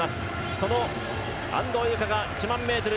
その安藤友香が１００００ｍ